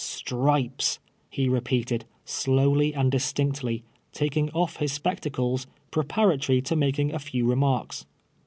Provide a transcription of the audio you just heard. ^^ Stripes,''' he repeated, slowly and distinctly, taking off his S2')ectacles, j^treparatory to making a few re marks.